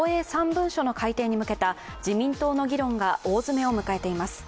３文書の改訂に向けた自民党の議論が大詰めを迎えています。